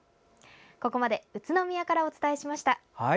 ここまで宇都宮からお伝えしました。